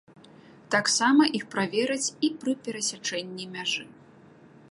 Таксама іх правераць і пры перасячэнні мяжы.